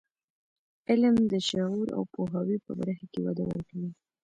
علم د شعور او پوهاوي په برخه کې وده ورکوي.